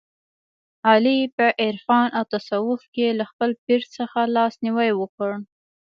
علي په عرفان او تصوف کې له خپل پیر څخه لاس نیوی وکړ.